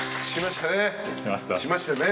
しましたね。